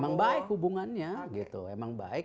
memang baik hubungannya gitu emang baik